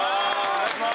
お願いします